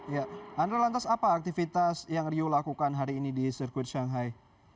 ya andra lantas apa aktivitas yang rio lakukan hari ini di sirkuit shanghai